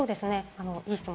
いい質問